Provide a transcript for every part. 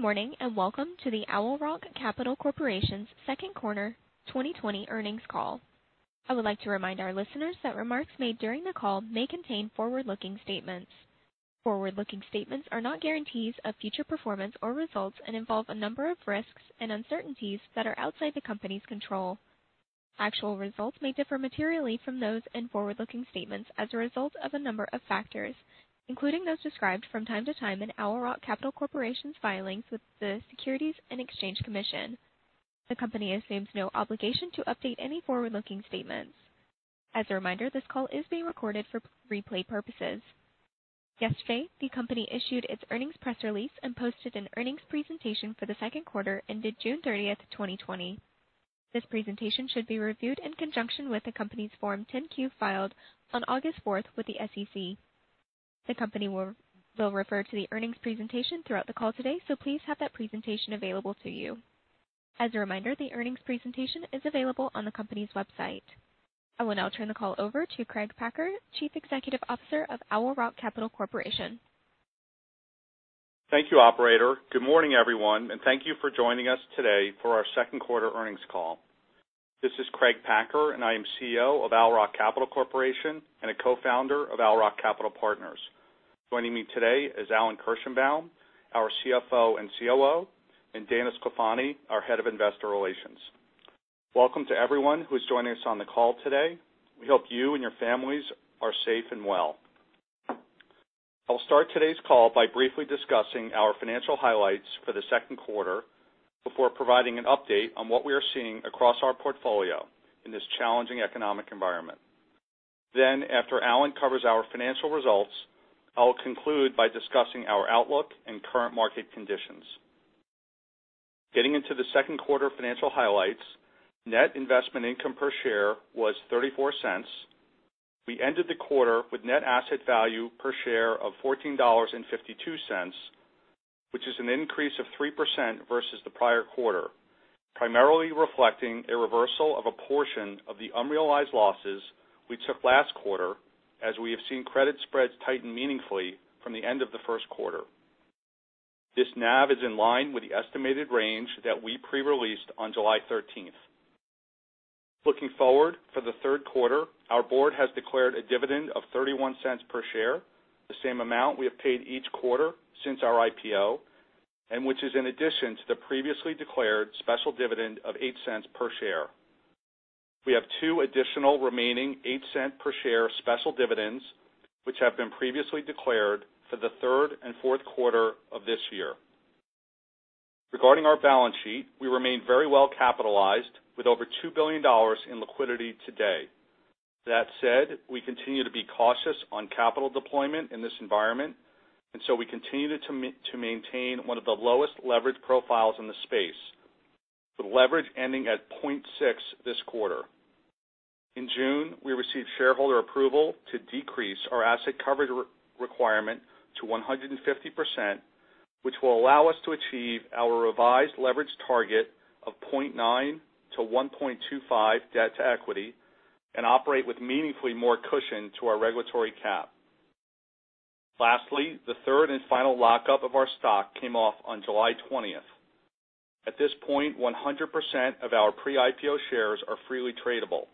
Good morning and welcome to the Owl Rock Capital Corporation's second quarter 2020 earnings call. I would like to remind our listeners that remarks made during the call may contain forward-looking statements. Forward-looking statements are not guarantees of future performance or results and involve a number of risks and uncertainties that are outside the company's control. Actual results may differ materially from those in forward-looking statements as a result of a number of factors, including those described from time to time in Owl Rock Capital Corporation's filings with the Securities and Exchange Commission. The company assumes no obligation to update any forward-looking statements. As a reminder, this call is being recorded for replay purposes. Yesterday, the company issued its earnings press release and posted an earnings presentation for the second quarter ended June 30th, 2020. This presentation should be reviewed in conjunction with the company's Form 10-Q filed on August 4th with the SEC. The company will refer to the earnings presentation throughout the call today, so please have that presentation available to you. As a reminder, the earnings presentation is available on the company's website. I will now turn the call over to Craig Packer, Chief Executive Officer of Owl Rock Capital Corporation. Thank you, Operator. Good morning, everyone, and thank you for joining us today for our second quarter earnings call. This is Craig Packer, and I am CEO of Owl Capital Corporation and a co-founder of Owl Capital Partners. Joining me today is Alan Kirshenbaum, our CFO and COO, and Dana Sclafani, our head of investor relations. Welcome to everyone who is joining us on the call today. We hope you and your families are safe and well. I will start today's call by briefly discussing our financial highlights for the second quarter before providing an update on what we are seeing across our portfolio in this challenging economic environment. Then, after Alan covers our financial results, I will conclude by discussing our outlook and current market conditions. Getting into the second quarter financial highlights, net investment income per share was $0.34. We ended the quarter with net asset value per share of $14.52, which is an increase of 3% versus the prior quarter, primarily reflecting a reversal of a portion of the unrealized losses we took last quarter as we have seen credit spreads tighten meaningfully from the end of the first quarter. This NAV is in line with the estimated range that we pre-released on July 13th. Looking forward for the third quarter, our board has declared a dividend of $0.31 per share, the same amount we have paid each quarter since our IPO, and which is in addition to the previously declared special dividend of $0.08 per share. We have two additional remaining $0.08-per-share special dividends which have been previously declared for the third and fourth quarter of this year. Regarding our balance sheet, we remain very well capitalized with over $2 billion in liquidity today. That said, we continue to be cautious on capital deployment in this environment, and so we continue to maintain one of the lowest leverage profiles in the space, with leverage ending at 0.6 this quarter. In June, we received shareholder approval to decrease our asset coverage requirement to 150%, which will allow us to achieve our revised leverage target of 0.9-1.25 debt to equity and operate with meaningfully more cushion to our regulatory cap. Lastly, the third and final lockup of our stock came off on July 20th. At this point, 100% of our pre-IPO shares are freely tradable.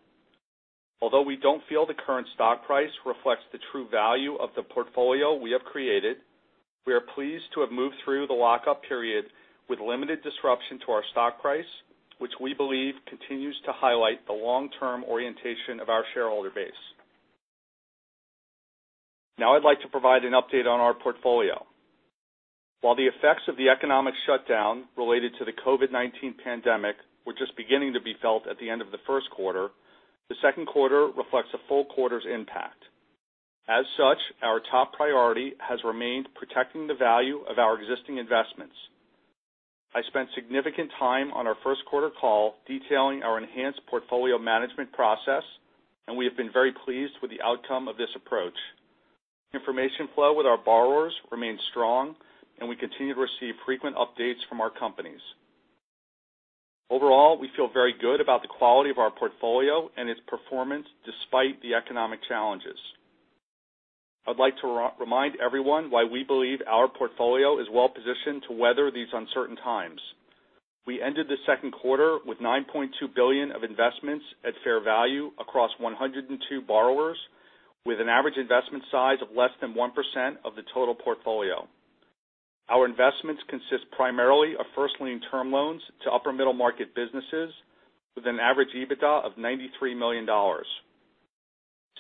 Although we don't feel the current stock price reflects the true value of the portfolio we have created, we are pleased to have moved through the lockup period with limited disruption to our stock price, which we believe continues to highlight the long-term orientation of our shareholder base. Now I'd like to provide an update on our portfolio. While the effects of the economic shutdown related to the COVID-19 pandemic were just beginning to be felt at the end of the first quarter, the second quarter reflects a full quarter's impact. As such, our top priority has remained protecting the value of our existing investments. I spent significant time on our first quarter call detailing our enhanced portfolio management process, and we have been very pleased with the outcome of this approach. Information flow with our borrowers remains strong, and we continue to receive frequent updates from our companies. Overall, we feel very good about the quality of our portfolio and its performance despite the economic challenges. I would like to remind everyone why we believe our portfolio is well positioned to weather these uncertain times. We ended the second quarter with $9.2 billion of investments at fair value across 102 borrowers, with an average investment size of less than 1% of the total portfolio. Our investments consist primarily of first-lien term loans to upper-middle market businesses, with an average EBITDA of $93 million.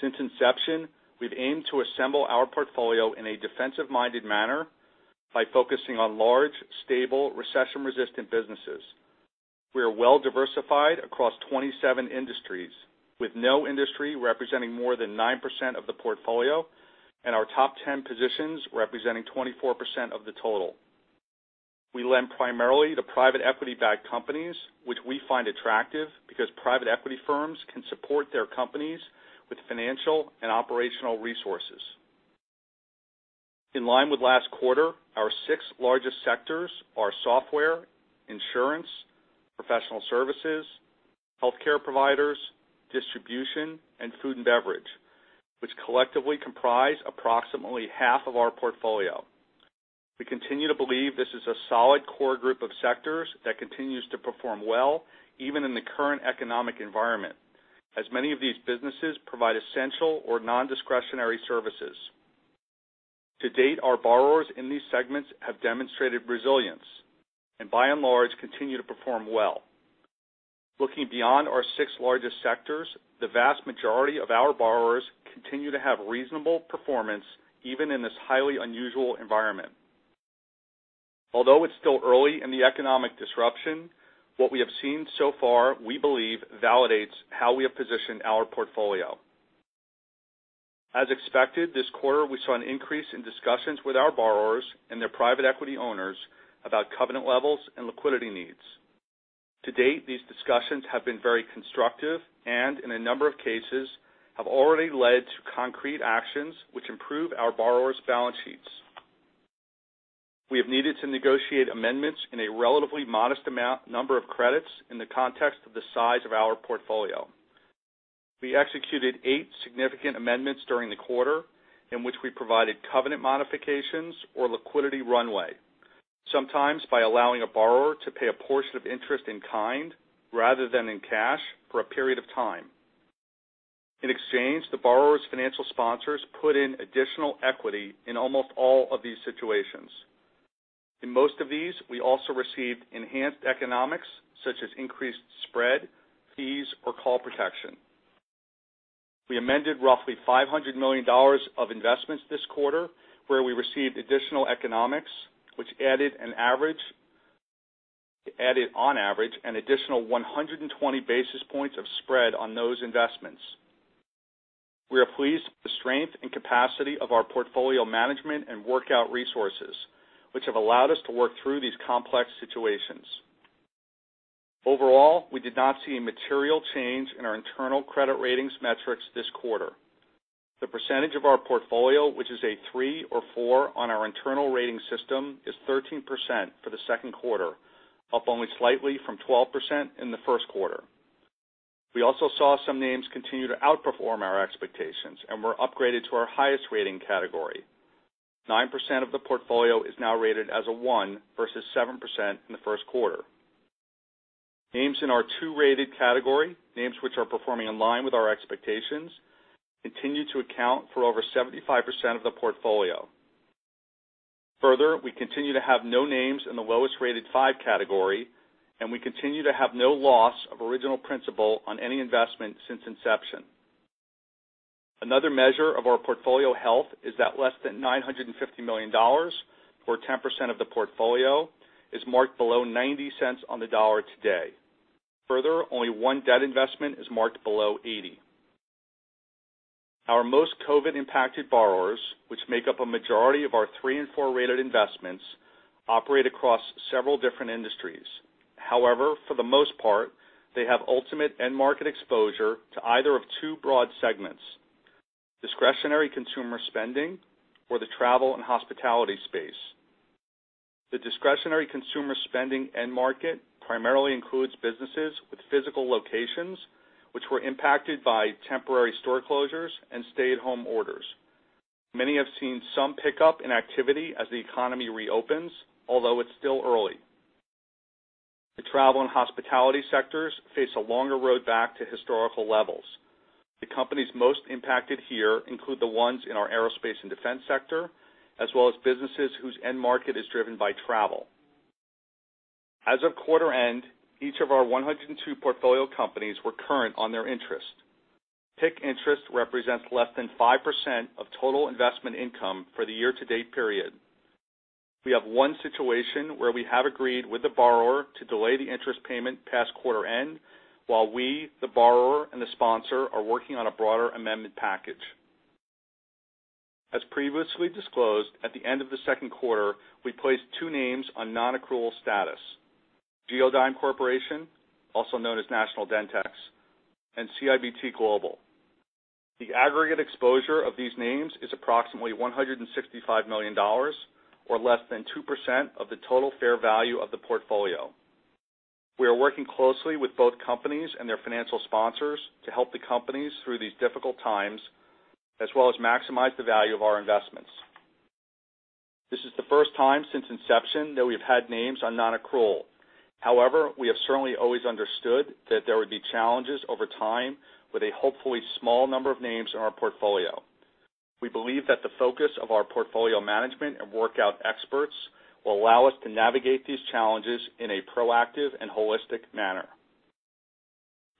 Since inception, we've aimed to assemble our portfolio in a defensive-minded manner by focusing on large, stable, recession-resistant businesses. We are well diversified across 27 industries, with no industry representing more than 9% of the portfolio and our top 10 positions representing 24% of the total. We lend primarily to private equity-backed companies, which we find attractive because private equity firms can support their companies with financial and operational resources. In line with last quarter, our six largest sectors are software, insurance, professional services, healthcare providers, distribution, and food and beverage, which collectively comprise approximately half of our portfolio. We continue to believe this is a solid core group of sectors that continues to perform well even in the current economic environment, as many of these businesses provide essential or nondiscretionary services. To date, our borrowers in these segments have demonstrated resilience and, by and large, continue to perform well. Looking beyond our six largest sectors, the vast majority of our borrowers continue to have reasonable performance even in this highly unusual environment. Although it's still early in the economic disruption, what we have seen so far, we believe, validates how we have positioned our portfolio. As expected, this quarter we saw an increase in discussions with our borrowers and their private equity owners about covenant levels and liquidity needs. To date, these discussions have been very constructive and, in a number of cases, have already led to concrete actions which improve our borrowers' balance sheets. We have needed to negotiate amendments in a relatively modest number of credits in the context of the size of our portfolio. We executed 8 significant amendments during the quarter in which we provided covenant modifications or liquidity runway, sometimes by allowing a borrower to pay a portion of interest in kind rather than in cash for a period of time. In exchange, the borrower's financial sponsors put in additional equity in almost all of these situations. In most of these, we also received enhanced economics such as increased spread, fees, or call protection. We amended roughly $500 million of investments this quarter, where we received additional economics, which added on average an additional 120 basis points of spread on those investments. We are pleased with the strength and capacity of our portfolio management and workout resources, which have allowed us to work through these complex situations. Overall, we did not see a material change in our internal credit ratings metrics this quarter. The percentage of our portfolio, which is a 3 or 4 on our internal rating system, is 13% for the second quarter, up only slightly from 12% in the first quarter. We also saw some names continue to outperform our expectations and were upgraded to our highest rating category. 9% of the portfolio is now rated as a 1 versus 7% in the first quarter. Names in our 2-rated category, names which are performing in line with our expectations, continue to account for over 75% of the portfolio. Further, we continue to have no names in the lowest-rated 5 category, and we continue to have no loss of original principal on any investment since inception. Another measure of our portfolio health is that less than $950 million, or 10% of the portfolio, is marked below 90 cents on the dollar today. Further, only one debt investment is marked below 80. Our most COVID-impacted borrowers, which make up a majority of our 3 and 4-rated investments, operate across several different industries. However, for the most part, they have ultimate end-market exposure to either of two broad segments: discretionary consumer spending or the travel and hospitality space. The discretionary consumer spending end-market primarily includes businesses with physical locations, which were impacted by temporary store closures and stay-at-home orders. Many have seen some pickup in activity as the economy reopens, although it's still early. The travel and hospitality sectors face a longer road back to historical levels. The companies most impacted here include the ones in our aerospace and defense sector, as well as businesses whose end-market is driven by travel. As of quarter end, each of our 102 portfolio companies were current on their interest. PIK interest represents less than 5% of total investment income for the year-to-date period. We have one situation where we have agreed with the borrower to delay the interest payment past quarter end while we, the borrower, and the sponsor are working on a broader amendment package. As previously disclosed, at the end of the second quarter, we placed two names on non-accrual status: GeoDigm Corporation, also known as National Dentex, and CIBT Global. The aggregate exposure of these names is approximately $165 million, or less than 2% of the total fair value of the portfolio. We are working closely with both companies and their financial sponsors to help the companies through these difficult times as well as maximize the value of our investments. This is the first time since inception that we have had names on non-accrual. However, we have certainly always understood that there would be challenges over time with a hopefully small number of names in our portfolio. We believe that the focus of our portfolio management and workout experts will allow us to navigate these challenges in a proactive and holistic manner.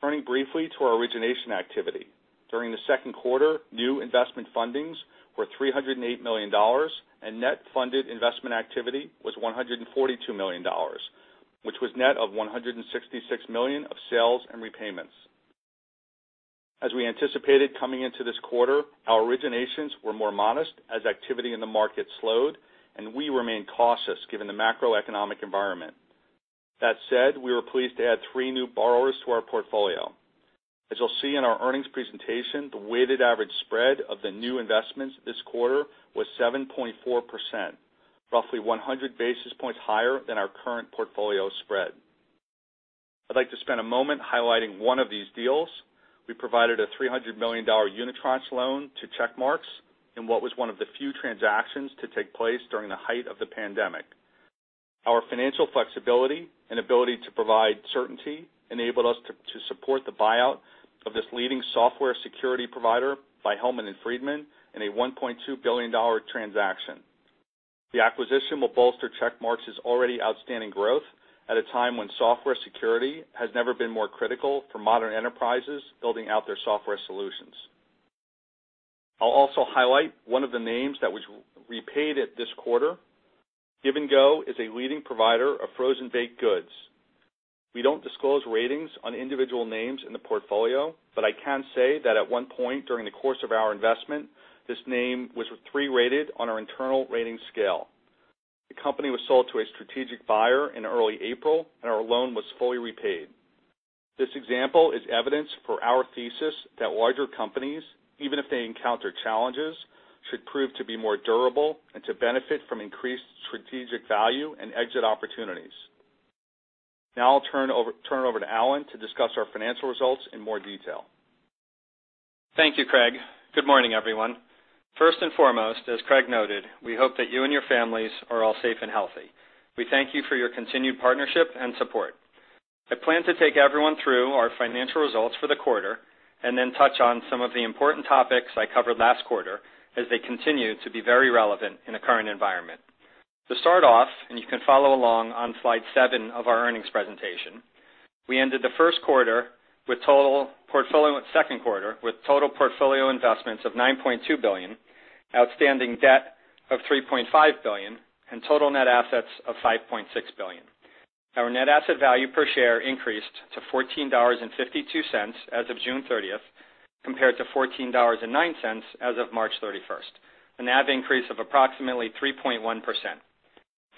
Turning briefly to our origination activity. During the second quarter, new investment fundings were $308 million, and net funded investment activity was $142 million, which was net of $166 million of sales and repayments. As we anticipated coming into this quarter, our originations were more modest as activity in the market slowed, and we remain cautious given the macroeconomic environment. That said, we were pleased to add three new borrowers to our portfolio. As you'll see in our earnings presentation, the weighted average spread of the new investments this quarter was 7.4%, roughly 100 basis points higher than our current portfolio spread. I'd like to spend a moment highlighting one of these deals. We provided a $300 million unitranche loan to Checkmarx in what was one of the few transactions to take place during the height of the pandemic. Our financial flexibility and ability to provide certainty enabled us to support the buyout of this leading software security provider, Hellman & Friedman, in a $1.2 billion transaction. The acquisition will bolster Checkmarx's already outstanding growth at a time when software security has never been more critical for modern enterprises building out their software solutions. I'll also highlight one of the names that was repaid this quarter. Give & Go is a leading provider of frozen baked goods. We don't disclose ratings on individual names in the portfolio, but I can say that at one point during the course of our investment, this name was 3-rated on our internal rating scale. The company was sold to a strategic buyer in early April, and our loan was fully repaid. This example is evidence for our thesis that larger companies, even if they encounter challenges, should prove to be more durable and to benefit from increased strategic value and exit opportunities. Now I'll turn over to Alan to discuss our financial results in more detail. Thank you, Craig. Good morning, everyone. First and foremost, as Craig noted, we hope that you and your families are all safe and healthy. We thank you for your continued partnership and support. I plan to take everyone through our financial results for the quarter and then touch on some of the important topics I covered last quarter as they continue to be very relevant in the current environment. To start off, and you can follow along on slide 7 of our earnings presentation, we ended the first quarter with total portfolio investments of $9.2 billion, outstanding debt of $3.5 billion, and total net assets of $5.6 billion. Our net asset value per share increased to $14.52 as of June 30th compared to $14.09 as of March 31st, a NAV increase of approximately 3.1%.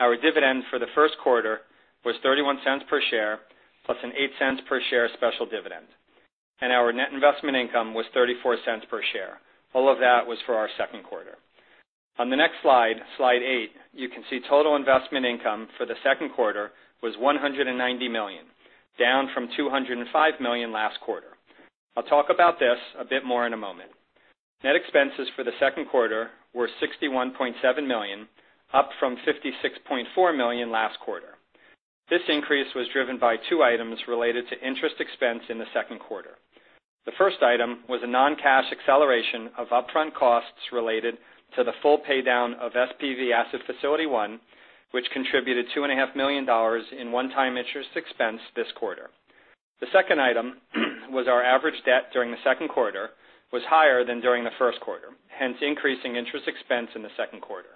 Our dividend for the first quarter was $0.31 per share plus an $0.08 per share special dividend, and our net investment income was $0.34 per share. All of that was for our second quarter. On the next slide, slide 8, you can see total investment income for the second quarter was $190 million, down from $205 million last quarter. I'll talk about this a bit more in a moment. Net expenses for the second quarter were $61.7 million, up from $56.4 million last quarter. This increase was driven by two items related to interest expense in the second quarter. The first item was a non-cash acceleration of upfront costs related to the full paydown of SPV Asset Facility One, which contributed $2.5 million in one-time interest expense this quarter. The second item, which was our average debt during the second quarter, was higher than during the first quarter, hence increasing interest expense in the second quarter.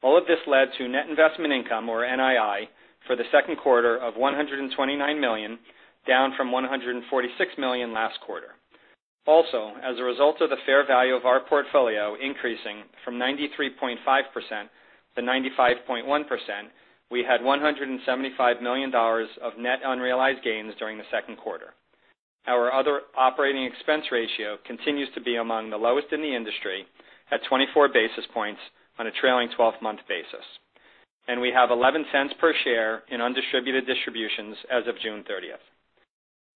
All of this led to net investment income, or NII, for the second quarter of $129 million, down from $146 million last quarter. Also, as a result of the fair value of our portfolio increasing from 93.5%-95.1%, we had $175 million of net unrealized gains during the second quarter. Our other operating expense ratio continues to be among the lowest in the industry at 24 basis points on a trailing 12-month basis, and we have $0.11 per share in undistributed distributions as of June 30th.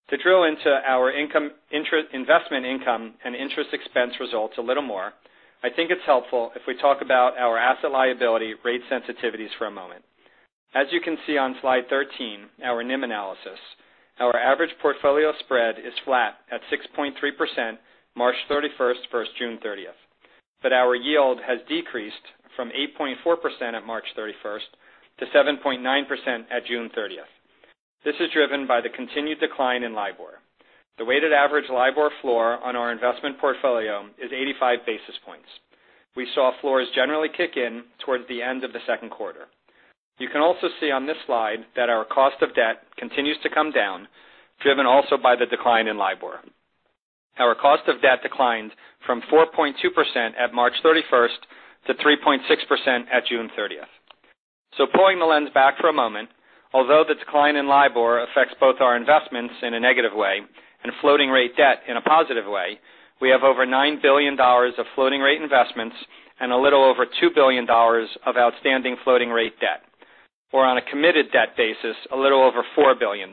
To drill into our investment income and interest expense results a little more, I think it's helpful if we talk about our asset liability rate sensitivities for a moment. As you can see on slide 13, our NIM analysis, our average portfolio spread is flat at 6.3% March 31st versus June 30th, but our yield has decreased from 8.4% at March 31st to 7.9% at June 30th. This is driven by the continued decline in LIBOR. The weighted average LIBOR floor on our investment portfolio is 85 basis points. We saw floors generally kick in towards the end of the second quarter. You can also see on this slide that our cost of debt continues to come down, driven also by the decline in LIBOR. Our cost of debt declined from 4.2% at March 31st to 3.6% at June 30th. So pulling the lens back for a moment, although the decline in LIBOR affects both our investments in a negative way and floating-rate debt in a positive way, we have over $9 billion of floating-rate investments and a little over $2 billion of outstanding floating-rate debt, or on a committed debt basis, a little over $4 billion.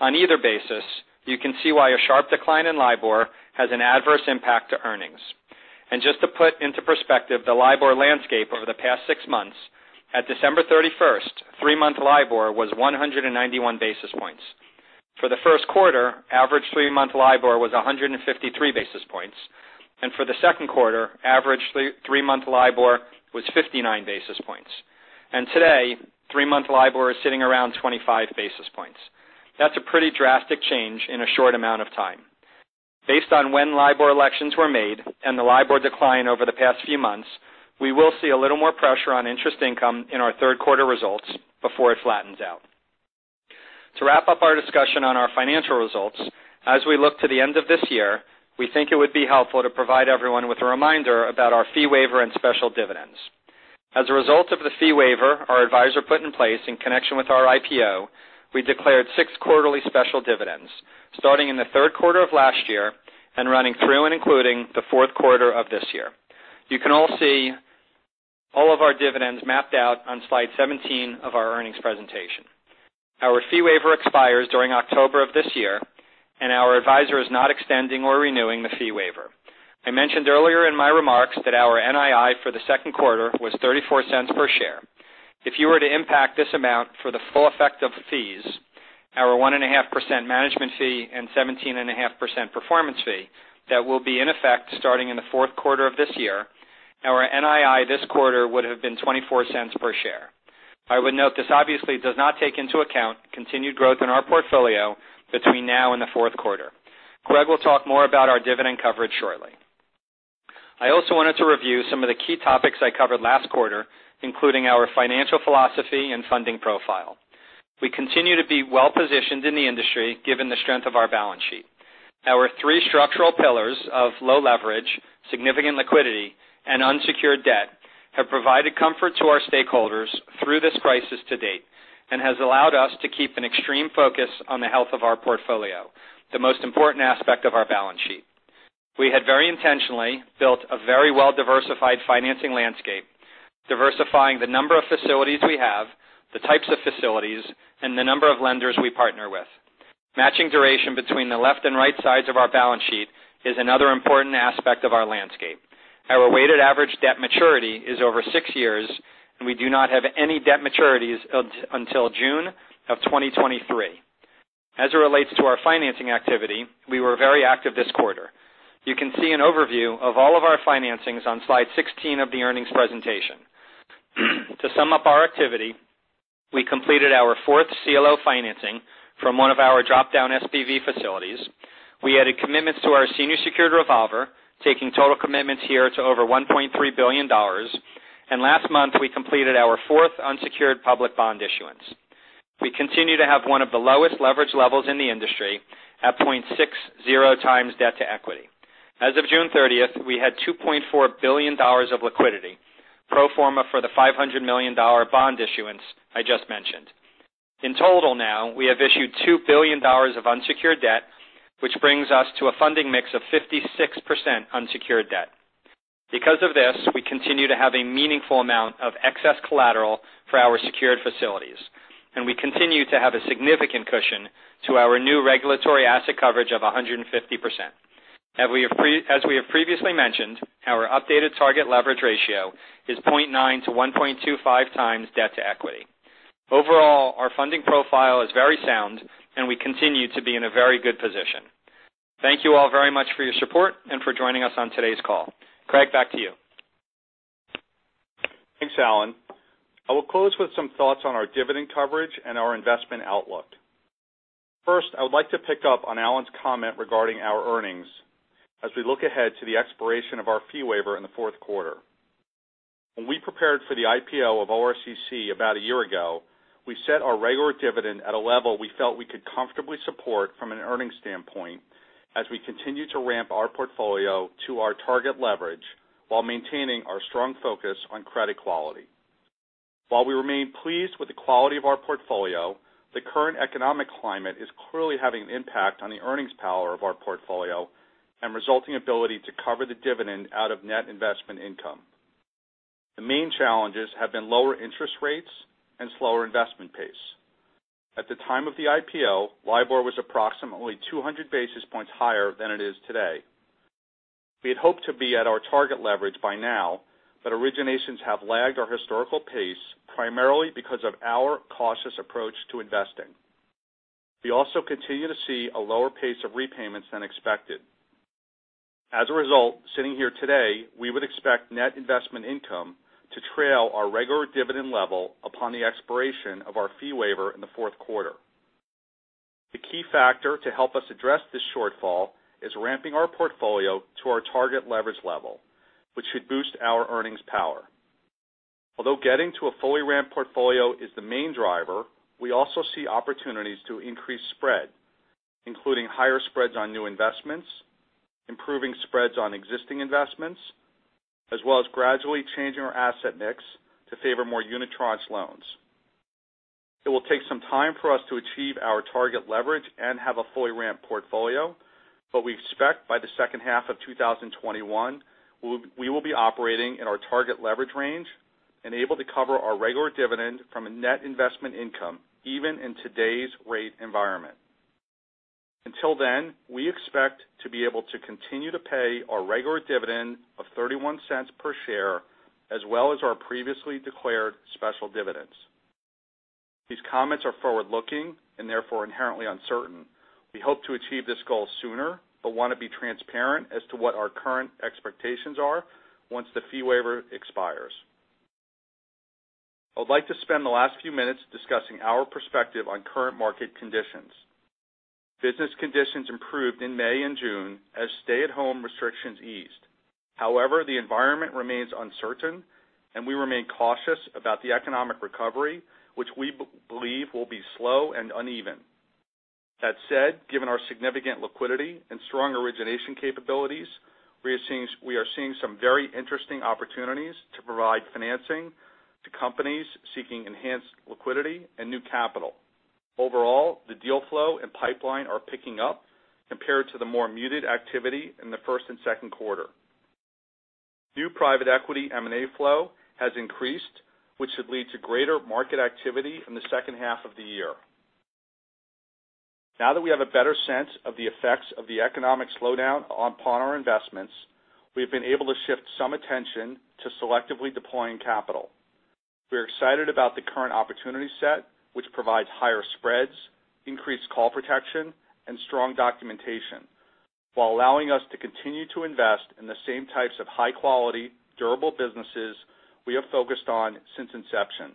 On either basis, you can see why a sharp decline in LIBOR has an adverse impact to earnings. Just to put into perspective the LIBOR landscape over the past six months, at December 31st, three-month LIBOR was 191 basis points. For the first quarter, average three-month LIBOR was 153 basis points, and for the second quarter, average three-month LIBOR was 59 basis points. Today, three-month LIBOR is sitting around 25 basis points. That's a pretty drastic change in a short amount of time. Based on when LIBOR elections were made and the LIBOR decline over the past few months, we will see a little more pressure on interest income in our third quarter results before it flattens out. To wrap up our discussion on our financial results, as we look to the end of this year, we think it would be helpful to provide everyone with a reminder about our fee waiver and special dividends. As a result of the fee waiver our advisor put in place in connection with our IPO, we declared 6 quarterly special dividends, starting in the third quarter of last year and running through and including the fourth quarter of this year. You can all see all of our dividends mapped out on slide 17 of our earnings presentation. Our fee waiver expires during October of this year, and our advisor is not extending or renewing the fee waiver. I mentioned earlier in my remarks that our NII for the second quarter was $0.34 per share. If you were to impact this amount for the full effect of fees, our 1.5% management fee and 17.5% performance fee, that will be in effect starting in the fourth quarter of this year, our NII this quarter would have been $0.24 per share. I would note this obviously does not take into account continued growth in our portfolio between now and the fourth quarter. Craig will talk more about our dividend coverage shortly. I also wanted to review some of the key topics I covered last quarter, including our financial philosophy and funding profile. We continue to be well-positioned in the industry given the strength of our balance sheet. Our three structural pillars of low leverage, significant liquidity, and unsecured debt have provided comfort to our stakeholders through this crisis to date and has allowed us to keep an extreme focus on the health of our portfolio, the most important aspect of our balance sheet. We had very intentionally built a very well-diversified financing landscape, diversifying the number of facilities we have, the types of facilities, and the number of lenders we partner with. Matching duration between the left and right sides of our balance sheet is another important aspect of our landscape. Our weighted average debt maturity is over six years, and we do not have any debt maturities until June of 2023. As it relates to our financing activity, we were very active this quarter. You can see an overview of all of our financings on slide 16 of the earnings presentation. To sum up our activity, we completed our fourth CLO financing from one of our drop-down SPV facilities. We added commitments to our senior secured revolver, taking total commitments here to over $1.3 billion, and last month we completed our fourth unsecured public bond issuance. We continue to have one of the lowest leverage levels in the industry at 0.60x debt to equity. As of June 30th, we had $2.4 billion of liquidity, pro forma for the $500 million bond issuance I just mentioned. In total now, we have issued $2 billion of unsecured debt, which brings us to a funding mix of 56% unsecured debt. Because of this, we continue to have a meaningful amount of excess collateral for our secured facilities, and we continue to have a significant cushion to our new regulatory asset coverage of 150%. As we have previously mentioned, our updated target leverage ratio is 0.9-1.25 times debt to equity. Overall, our funding profile is very sound, and we continue to be in a very good position. Thank you all very much for your support and for joining us on today's call. Craig, back to you. Thanks, Alan. I will close with some thoughts on our dividend coverage and our investment outlook. First, I would like to pick up on Alan's comment regarding our earnings as we look ahead to the expiration of our fee waiver in the fourth quarter. When we prepared for the IPO of ORCC about a year ago, we set our regular dividend at a level we felt we could comfortably support from an earnings standpoint as we continue to ramp our portfolio to our target leverage while maintaining our strong focus on credit quality. While we remain pleased with the quality of our portfolio, the current economic climate is clearly having an impact on the earnings power of our portfolio and resulting ability to cover the dividend out of net investment income. The main challenges have been lower interest rates and slower investment pace. At the time of the IPO, LIBOR was approximately 200 basis points higher than it is today. We had hoped to be at our target leverage by now, but originations have lagged our historical pace primarily because of our cautious approach to investing. We also continue to see a lower pace of repayments than expected. As a result, sitting here today, we would expect net investment income to trail our regular dividend level upon the expiration of our fee waiver in the fourth quarter. The key factor to help us address this shortfall is ramping our portfolio to our target leverage level, which should boost our earnings power. Although getting to a fully ramped portfolio is the main driver, we also see opportunities to increase spread, including higher spreads on new investments, improving spreads on existing investments, as well as gradually changing our asset mix to favor more unitranche loans. It will take some time for us to achieve our target leverage and have a fully ramped portfolio, but we expect by the second half of 2021, we will be operating in our target leverage range and able to cover our regular dividend from a net investment income even in today's rate environment. Until then, we expect to be able to continue to pay our regular dividend of $0.31 per share as well as our previously declared special dividends. These comments are forward-looking and therefore inherently uncertain. We hope to achieve this goal sooner but want to be transparent as to what our current expectations are once the fee waiver expires. I would like to spend the last few minutes discussing our perspective on current market conditions. Business conditions improved in May and June as stay-at-home restrictions eased. However, the environment remains uncertain, and we remain cautious about the economic recovery, which we believe will be slow and uneven. That said, given our significant liquidity and strong origination capabilities, we are seeing some very interesting opportunities to provide financing to companies seeking enhanced liquidity and new capital. Overall, the deal flow and pipeline are picking up compared to the more muted activity in the first and second quarter. New private equity M&A flow has increased, which should lead to greater market activity in the second half of the year. Now that we have a better sense of the effects of the economic slowdown upon our investments, we have been able to shift some attention to selectively deploying capital. We are excited about the current opportunity set, which provides higher spreads, increased call protection, and strong documentation. While allowing us to continue to invest in the same types of high-quality, durable businesses we have focused on since inception.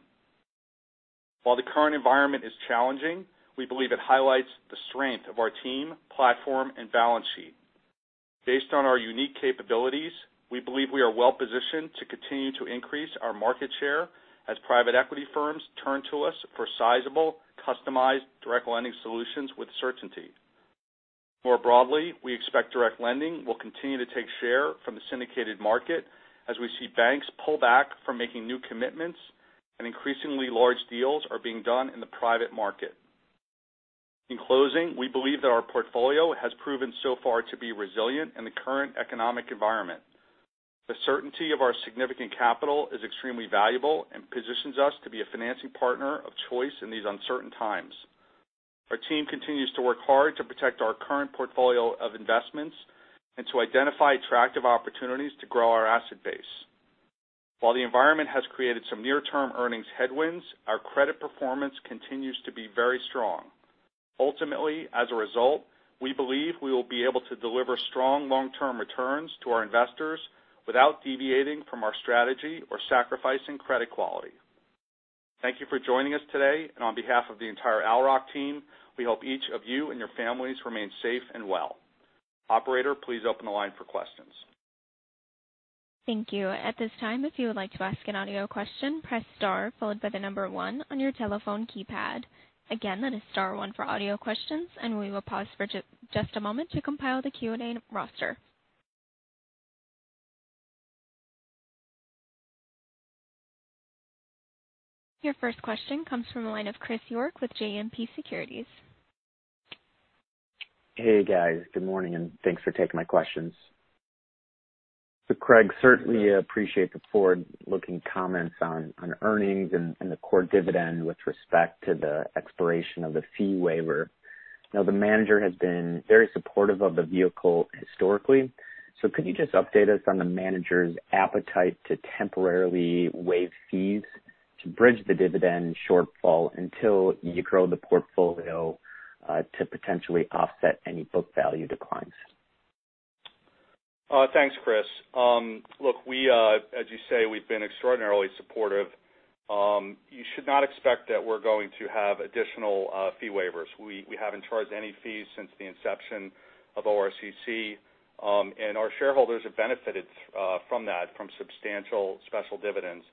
While the current environment is challenging, we believe it highlights the strength of our team, platform, and balance sheet. Based on our unique capabilities, we believe we are well-positioned to continue to increase our market share as private equity firms turn to us for sizable, customized, direct lending solutions with certainty. More broadly, we expect direct lending will continue to take share from the syndicated market as we see banks pull back from making new commitments, and increasingly large deals are being done in the private market. In closing, we believe that our portfolio has proven so far to be resilient in the current economic environment. The certainty of our significant capital is extremely valuable and positions us to be a financing partner of choice in these uncertain times. Our team continues to work hard to protect our current portfolio of investments and to identify attractive opportunities to grow our asset base. While the environment has created some near-term earnings headwinds, our credit performance continues to be very strong. Ultimately, as a result, we believe we will be able to deliver strong long-term returns to our investors without deviating from our strategy or sacrificing credit quality. Thank you for joining us today, and on behalf of the entire Owl Rock team, we hope each of you and your families remain safe and well. Operator, please open the line for questions. Thank you. At this time, if you would like to ask an audio question, press star followed by the number one on your telephone keypad. Again, that is star one for audio questions, and we will pause for just a moment to compile the Q&A roster. Your first question comes from the line of Chris York with JMP Securities. Hey, guys. Good morning, and thanks for taking my questions. So, Craig, certainly appreciate the forward-looking comments on earnings and the core dividend with respect to the expiration of the fee waiver. Now, the manager has been very supportive of the vehicle historically, so could you just update us on the manager's appetite to temporarily waive fees to bridge the dividend shortfall until you grow the portfolio to potentially offset any book value declines? Thanks, Chris. Look, as you say, we've been extraordinarily supportive. You should not expect that we're going to have additional fee waivers. We haven't charged any fees since the inception of ORCC, and our shareholders have benefited from that, from substantial special dividends.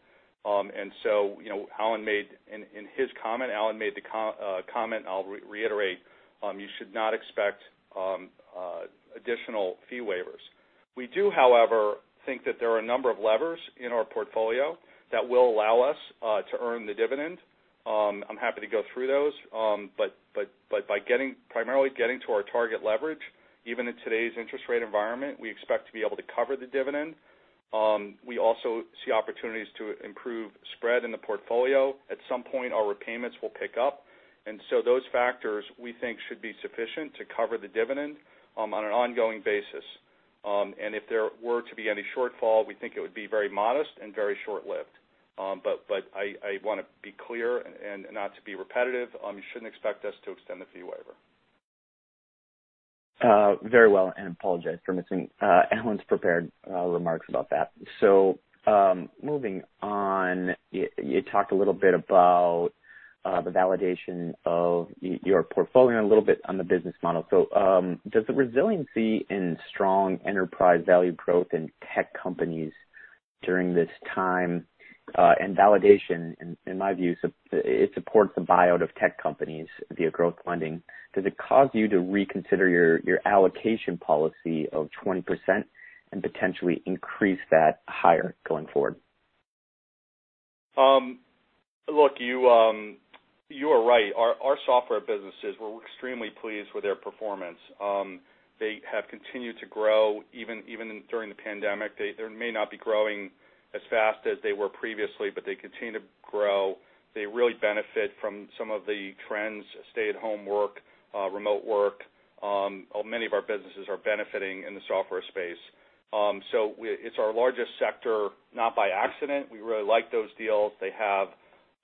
And so Alan made the comment, and I'll reiterate, you should not expect additional fee waivers. We do, however, think that there are a number of levers in our portfolio that will allow us to earn the dividend. I'm happy to go through those. But by primarily getting to our target leverage, even in today's interest rate environment, we expect to be able to cover the dividend. We also see opportunities to improve spread in the portfolio. At some point, our repayments will pick up, and so those factors, we think, should be sufficient to cover the dividend on an ongoing basis. And if there were to be any shortfall, we think it would be very modest and very short-lived. But I want to be clear and not to be repetitive. You shouldn't expect us to extend the fee waiver. Very well, and I apologize for missing Alan's prepared remarks about that. So moving on, you talked a little bit about the validation of your portfolio and a little bit on the business model. So does the resiliency in strong enterprise value growth in tech companies during this time and validation, in my view, it supports the buyout of tech companies via growth lending. Does it cause you to reconsider your allocation policy of 20% and potentially increase that higher going forward? Look, you are right. Our software businesses, we're extremely pleased with their performance. They have continued to grow even during the pandemic. They may not be growing as fast as they were previously, but they continue to grow. They really benefit from some of the trends: stay-at-home work, remote work. Many of our businesses are benefiting in the software space. So it's our largest sector, not by accident. We really like those deals. They have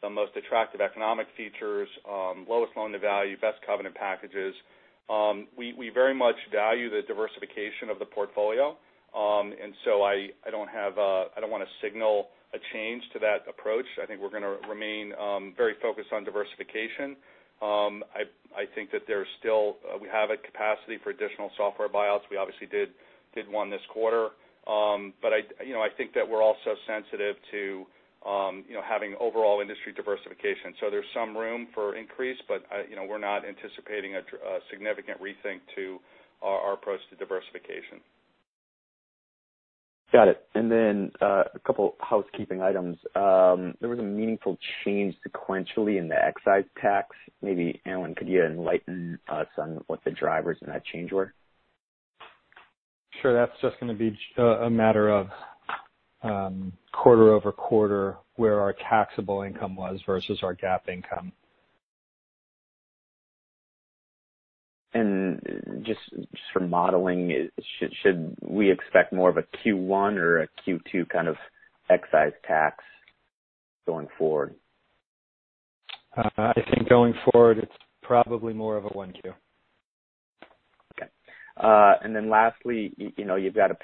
the most attractive economic features, lowest loan to value, best covenant packages. We very much value the diversification of the portfolio, and so I don't want to signal a change to that approach. I think we're going to remain very focused on diversification. I think that there's still we have a capacity for additional software buyouts. We obviously did one this quarter, but I think that we're also sensitive to having overall industry diversification. So there's some room for increase, but we're not anticipating a significant rethink to our approach to diversification. Got it. And then a couple housekeeping items. There was a meaningful change sequentially in the excise tax. Maybe Alan, could you enlighten us on what the drivers in that change were? Sure. That's just going to be a matter of quarter-over-quarter where our taxable income was versus our GAAP income. And just for modeling, should we expect more of a Q1 or a Q2 kind of excise tax going forward? I think going forward, it's probably more of a one Q. Okay. And then lastly, you've got a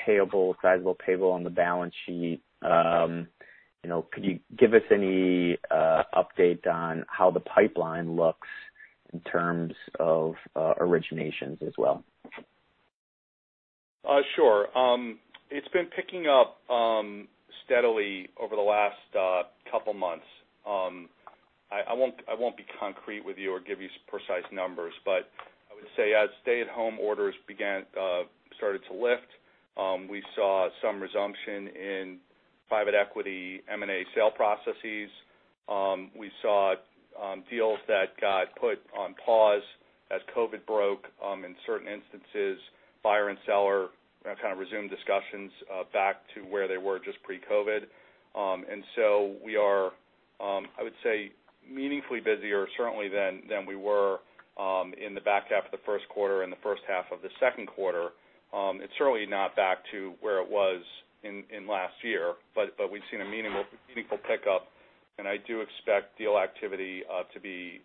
sizable payable on the balance sheet. Could you give us any update on how the pipeline looks in terms of originations as well? Sure. It's been picking up steadily over the last couple months. I won't be concrete with you or give you precise numbers, but I would say as stay-at-home orders started to lift, we saw some resumption in private equity M&A sale processes. We saw deals that got put on pause as COVID broke in certain instances. Buyer and seller kind of resumed discussions back to where they were just pre-COVID. And so we are, I would say, meaningfully busier, certainly, than we were in the back half of the first quarter and the first half of the second quarter. It's certainly not back to where it was in last year, but we've seen a meaningful pickup, and I do expect deal activity to be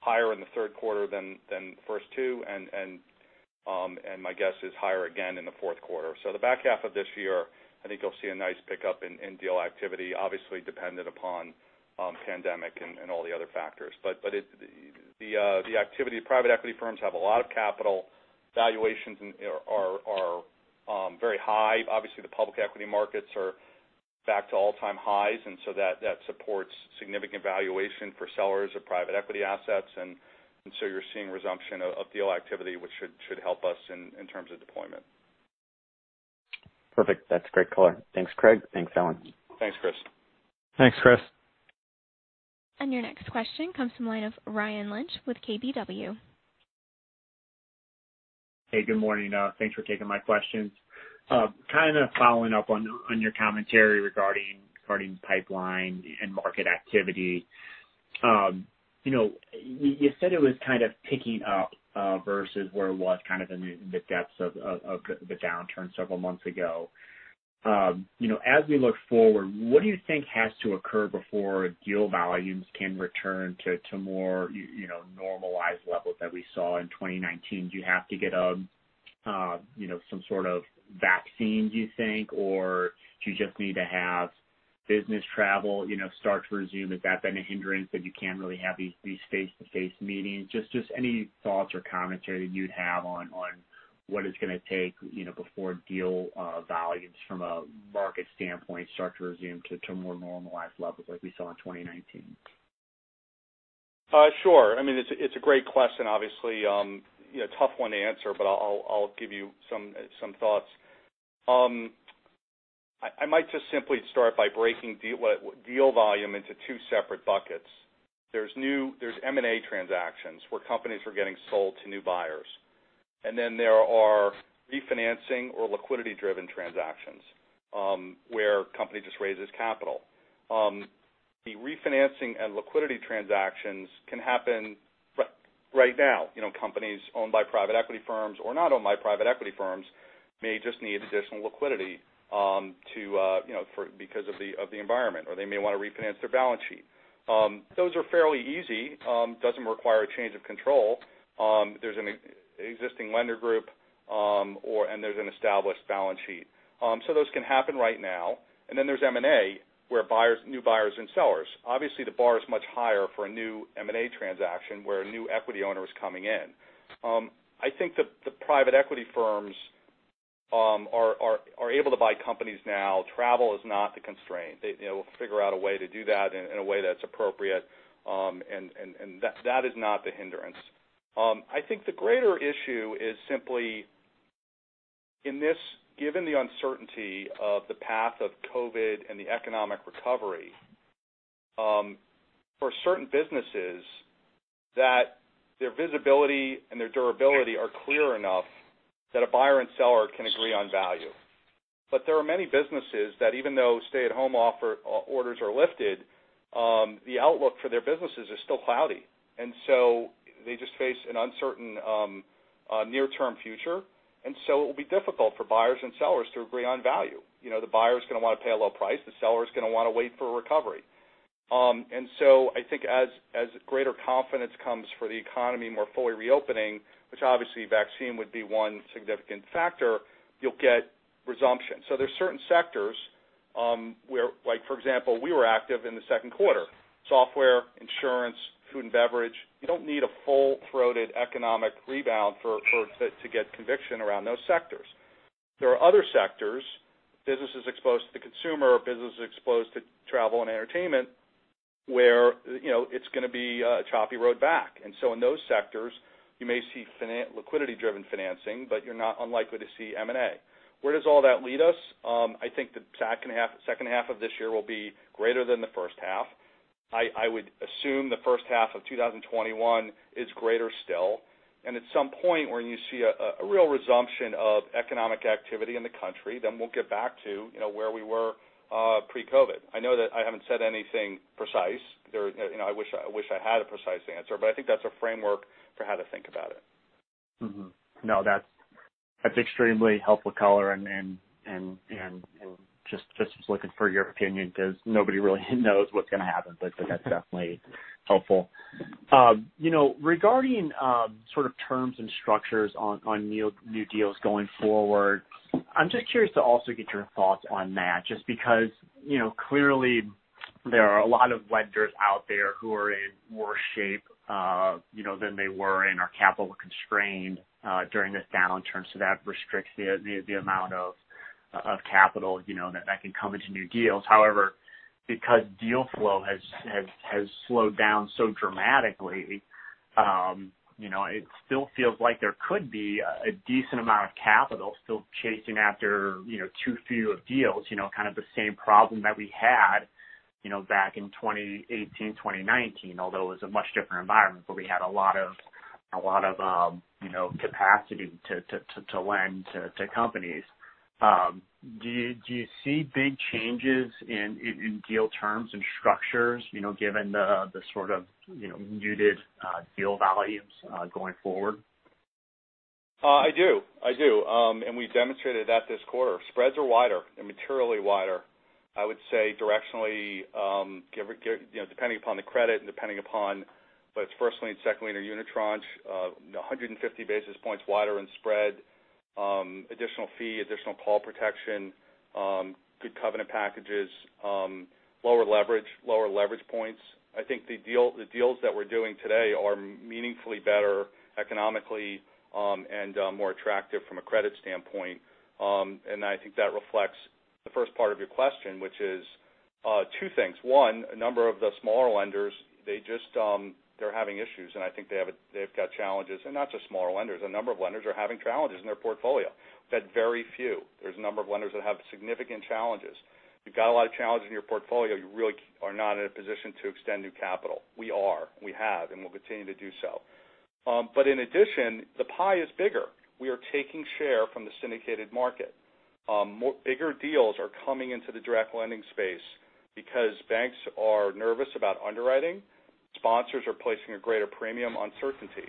higher in the third quarter than the first two, and my guess is higher again in the fourth quarter. So the back half of this year, I think you'll see a nice pickup in deal activity, obviously dependent upon pandemic and all the other factors. But the activity of private equity firms have a lot of capital. Valuations are very high. Obviously, the public equity markets are back to all-time highs, and so that supports significant valuation for sellers of private equity assets. And so you're seeing resumption of deal activity, which should help us in terms of deployment. Perfect. That's great color. Thanks, Craig. Thanks, Alan. Thanks, Chris. Thanks, Chris. And your next question comes from the line of Ryan Lynch with KBW. Hey, good morning. Thanks for taking my questions. Kind of following up on your commentary regarding pipeline and market activity, you said it was kind of picking up versus where it was kind of in the depths of the downturn several months ago. As we look forward, what do you think has to occur before deal volumes can return to more normalized levels that we saw in 2019? Do you have to get some sort of vaccine, do you think, or do you just need to have business travel start to resume? Has that been a hindrance that you can't really have these face-to-face meetings? Just any thoughts or commentary that you'd have on what it's going to take before deal volumes, from a market standpoint, start to resume to more normalized levels like we saw in 2019? Sure. I mean, it's a great question, obviously. Tough one to answer, but I'll give you some thoughts. I might just simply start by breaking deal volume into two separate buckets. There's M&A transactions where companies are getting sold to new buyers, and then there are refinancing or liquidity-driven transactions where a company just raises capital. The refinancing and liquidity transactions can happen right now. Companies owned by private equity firms or not owned by private equity firms may just need additional liquidity because of the environment, or they may want to refinance their balance sheet. Those are fairly easy. It doesn't require a change of control. There's an existing lender group, and there's an established balance sheet. So those can happen right now. And then there's M&A where new buyers and sellers. Obviously, the bar is much higher for a new M&A transaction where a new equity owner is coming in. I think the private equity firms are able to buy companies now. Travel is not the constraint. They'll figure out a way to do that in a way that's appropriate, and that is not the hindrance. I think the greater issue is simply, given the uncertainty of the path of COVID and the economic recovery, for certain businesses, their visibility and their durability are clear enough that a buyer and seller can agree on value. But there are many businesses that, even though stay-at-home orders are lifted, the outlook for their businesses is still cloudy, and so they just face an uncertain near-term future. And so it will be difficult for buyers and sellers to agree on value. The buyer's going to want to pay a low price. The seller's going to want to wait for recovery. And so I think as greater confidence comes for the economy more fully reopening, which obviously vaccine would be one significant factor, you'll get resumption. So there's certain sectors where, for example, we were active in the second quarter: software, insurance, food and beverage. You don't need a full-throated economic rebound to get conviction around those sectors. There are other sectors, businesses exposed to the consumer, businesses exposed to travel and entertainment, where it's going to be a choppy road back. And so in those sectors, you may see liquidity-driven financing, but you're not unlikely to see M&A. Where does all that lead us? I think the second half of this year will be greater than the first half. I would assume the first half of 2021 is greater still, and at some point when you see a real resumption of economic activity in the country, then we'll get back to where we were pre-COVID. I know that I haven't said anything precise. I wish I had a precise answer, but I think that's a framework for how to think about it. No, that's extremely helpful color, and just looking for your opinion because nobody really knows what's going to happen, but that's definitely helpful. Regarding sort of terms and structures on new deals going forward, I'm just curious to also get your thoughts on that just because clearly, there are a lot of lenders out there who are in worse shape than they were in or capital constrained during this downturn so that restricts the amount of capital that can come into new deals. However, because deal flow has slowed down so dramatically, it still feels like there could be a decent amount of capital still chasing after too few of deals, kind of the same problem that we had back in 2018, 2019, although it was a much different environment where we had a lot of capacity to lend to companies. Do you see big changes in deal terms and structures given the sort of muted deal volumes going forward? I do. I do. We demonstrated that this quarter. Spreads are wider and materially wider, I would say, directionally, depending upon the credit and depending upon whether it's first-lien and second-lien or unitranche, 150 basis points wider in spread, additional fee, additional call protection, good covenant packages, lower leverage, lower leverage points. I think the deals that we're doing today are meaningfully better economically and more attractive from a credit standpoint, and I think that reflects the first part of your question, which is two things. One, a number of the smaller lenders, they're having issues, and I think they've got challenges. Not just smaller lenders. A number of lenders are having challenges in their portfolio. We've had very few. There's a number of lenders that have significant challenges. If you've got a lot of challenges in your portfolio, you really are not in a position to extend new capital. We are. We have, and we'll continue to do so. But in addition, the pie is bigger. We are taking share from the syndicated market. Bigger deals are coming into the direct lending space because banks are nervous about underwriting. Sponsors are placing a greater premium uncertainty.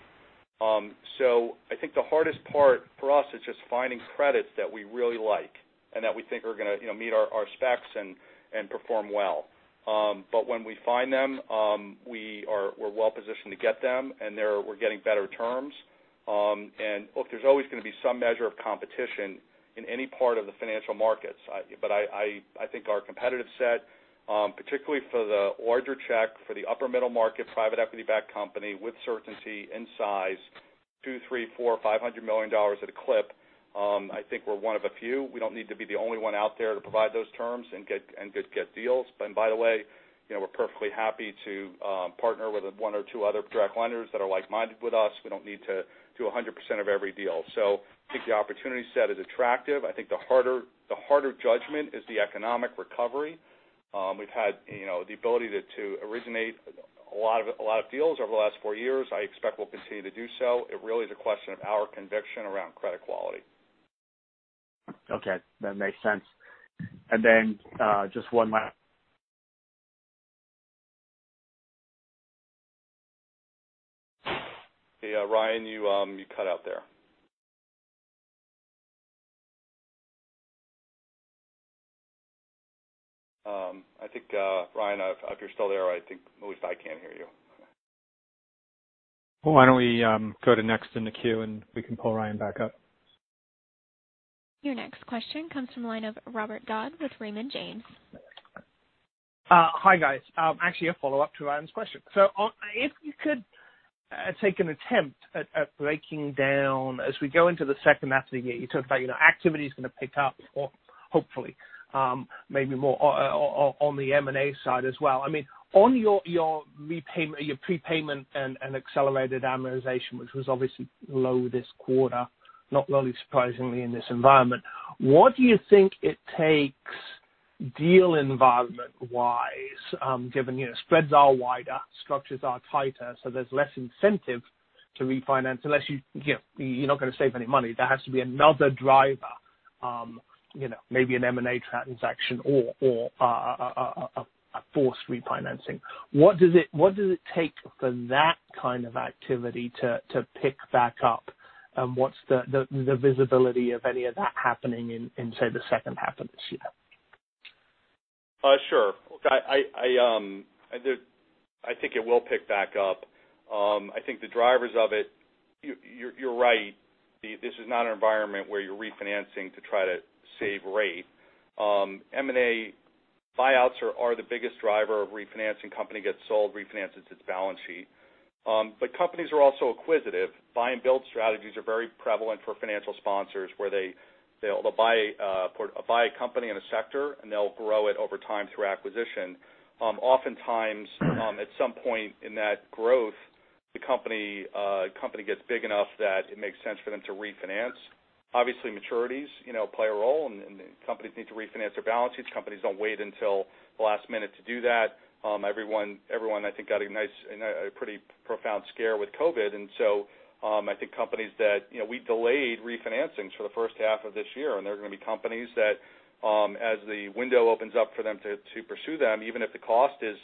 So I think the hardest part for us is just finding credits that we really like and that we think are going to meet our specs and perform well. But when we find them, we're well-positioned to get them, and we're getting better terms. And look, there's always going to be some measure of competition in any part of the financial markets, but I think our competitive set, particularly for the larger check, for the upper-middle market private equity-backed company with certainty in size, $200 million, $300 million, $400 million, $500 million at a clip, I think we're one of a few. We don't need to be the only one out there to provide those terms and get deals. And by the way, we're perfectly happy to partner with one or two other direct lenders that are like-minded with us. We don't need to do 100% of every deal. So I think the opportunity set is attractive. I think the harder judgment is the economic recovery. We've had the ability to originate a lot of deals over the last four years. I expect we'll continue to do so. It really is a question of our conviction around credit quality. Okay. That makes sense. And then just one last. Ryan, you cut out there. I think, Ryan, if you're still there, I think at least I can hear you. Well, why don't we go to next in the Q, and we can pull Ryan back up? Your next question comes from the line of Robert Dodd with Raymond James. Hi, guys. Actually, a follow-up to Ryan's question. So if you could take an attempt at breaking down as we go into the second half of the year, you talked about activity's going to pick up, hopefully, maybe more on the M&A side as well. I mean, on your prepayment and accelerated amortization, which was obviously low this quarter, not really surprisingly in this environment, what do you think it takes deal environment-wise, given spreads are wider, structures are tighter, so there's less incentive to refinance unless you're not going to save any money? There has to be another driver, maybe an M&A transaction or a forced refinancing. What does it take for that kind of activity to pick back up, and what's the visibility of any of that happening in, say, the second half of this year? Sure. Look, I think it will pick back up. I think the drivers of it, you're right. This is not an environment where you're refinancing to try to save rate. M&A, buyouts are the biggest driver of refinancing. A company gets sold, refinances its balance sheet. But companies are also acquisitive. Buy-and-build strategies are very prevalent for financial sponsors where they'll buy a company in a sector, and they'll grow it over time through acquisition. Oftentimes, at some point in that growth, the company gets big enough that it makes sense for them to refinance. Obviously, maturities play a role, and companies need to refinance their balance sheets. Companies don't wait until the last minute to do that. Everyone, I think, got a pretty profound scare with COVID, and so I think companies that we delayed refinancings for the first half of this year, and there are going to be companies that, as the window opens up for them to pursue them, even if the cost is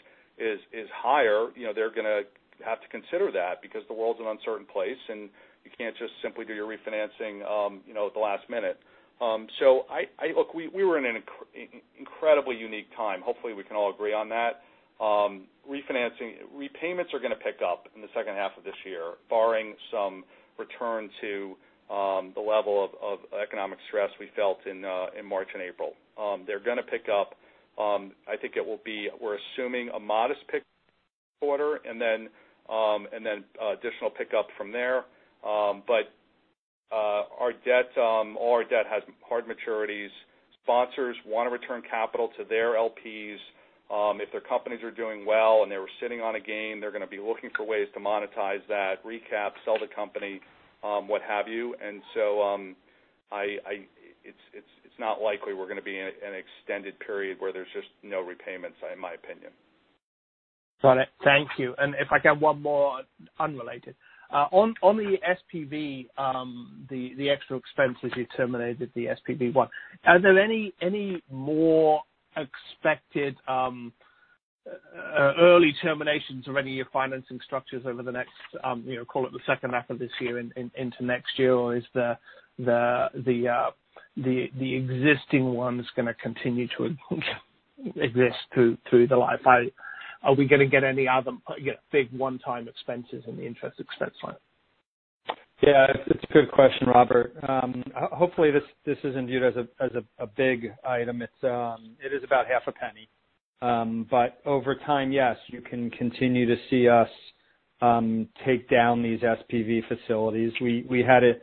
higher, they're going to have to consider that because the world's an uncertain place, and you can't just simply do your refinancing at the last minute. So look, we were in an incredibly unique time. Hopefully, we can all agree on that. Repayments are going to pick up in the second half of this year, barring some return to the level of economic stress we felt in March and April. They're going to pick up. I think it will be, we're assuming a modest pickup this quarter and then additional pickup from there. But all our debt has hard maturities. Sponsors want to return capital to their LPs. If their companies are doing well and they were sitting on a gain, they're going to be looking for ways to monetize that, recap, sell the company, what have you. And so it's not likely we're going to be in an extended period where there's just no repayments, in my opinion. Got it. Thank you. And if I can have one more unrelated. On the SPV, the extra expenses you terminated, the SPV one, are there any more expected early terminations of any of your financing structures over the next, call it, the second half of this year into next year, or is the existing ones going to continue to exist through the life? Are we going to get any other big one-time expenses in the interest expense line? Yeah. It's a good question, Robert. Hopefully, this isn't viewed as a big item. It is about $0.005, but over time, yes, you can continue to see us take down these SPV facilities. We had a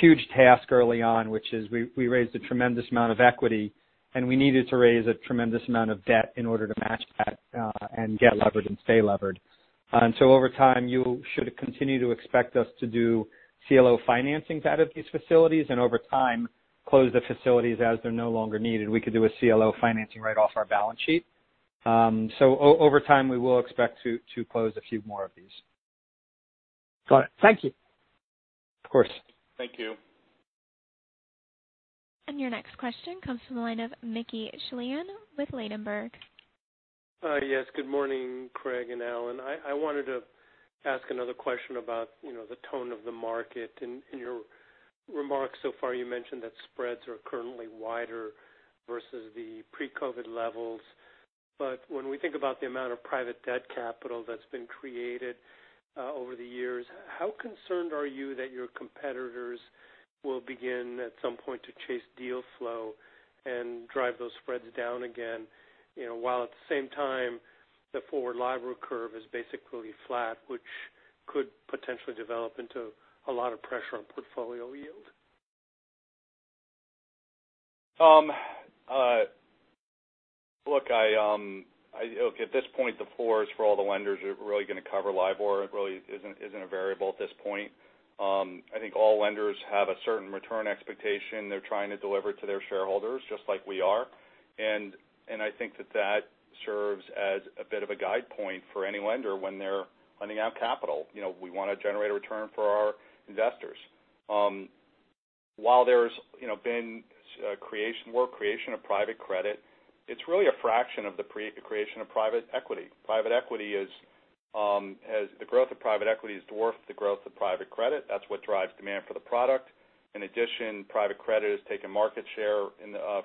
huge task early on, which is we raised a tremendous amount of equity, and we needed to raise a tremendous amount of debt in order to match that and get levered and stay levered. And so over time, you should continue to expect us to do CLO financings out of these facilities and, over time, close the facilities as they're no longer needed. We could do a CLO financing right off our balance sheet. So over time, we will expect to close a few more of these. Got it. Thank you. Of course. Thank you. And your next question comes from the line of Mickey Schleien with Ladenburg Thalmann. Yes. Good morning, Craig and Alan. I wanted to ask another question about the tone of the market. In your remarks so far, you mentioned that spreads are currently wider versus the pre-COVID levels. But when we think about the amount of private debt capital that's been created over the years, how concerned are you that your competitors will begin, at some point, to chase deal flow and drive those spreads down again while, at the same time, the forward LIBOR curve is basically flat, which could potentially develop into a lot of pressure on portfolio yield? Look, at this point, the floor is for all the lenders. It really isn't going to cover LIBOR. It really isn't a variable at this point. I think all lenders have a certain return expectation they're trying to deliver to their shareholders just like we are, and I think that that serves as a bit of a guidepoint for any lender when they're lending out capital. We want to generate a return for our investors. While there's been creation work, creation of private credit, it's really a fraction of the creation of private equity. The growth of private equity is dwarfed the growth of private credit. That's what drives demand for the product. In addition, private credit has taken market share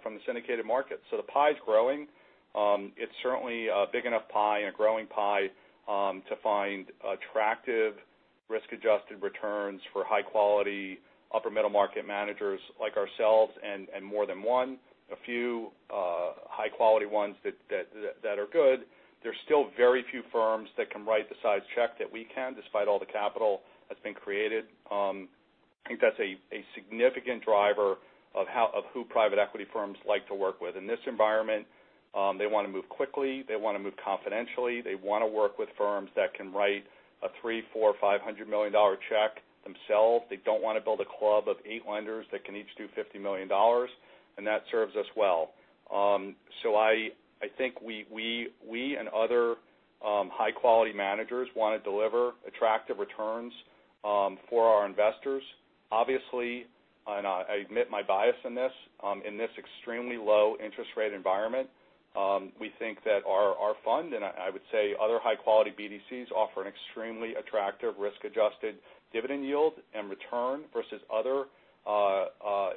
from the syndicated market. So the pie's growing. It's certainly a big enough pie and a growing pie to find attractive risk-adjusted returns for high-quality upper-middle market managers like ourselves and more than one, a few high-quality ones that are good. There's still very few firms that can write the size check that we can despite all the capital that's been created. I think that's a significant driver of who private equity firms like to work with. In this environment, they want to move quickly. They want to move confidentially. They want to work with firms that can write a $300 million, $400 million, $500 million check themselves. They don't want to build a club of eight lenders that can each do $50 million, and that serves us well. So I think we and other high-quality managers want to deliver attractive returns for our investors. Obviously, and I admit my bias in this, in this extremely low interest rate environment, we think that our fund and I would say other high-quality BDCs offer an extremely attractive risk-adjusted dividend yield and return versus other